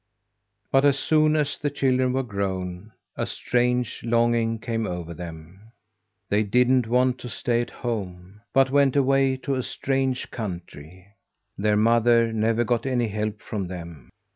But as soon as the children were grown, a strange longing came over them. They didn't want to stay at home, but went away to a strange country. Their mother never got any help from them.